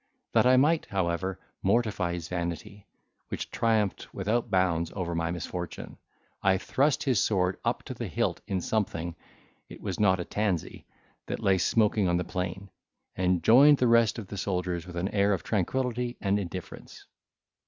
That I might, however, mortify his vanity, which triumphed without bounds over my misfortune, I thrust his sword up to the hilt in something (it was not a tansy), that lay smoking on the plain, and joined the rest of the soldiers with an air of tranquillity and indifference.